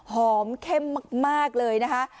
หอมเข้มมากเลยนะคะ